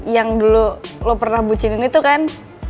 yang dulu lo pernah bucin itu kan